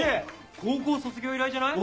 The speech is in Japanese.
高校卒業以来じゃない？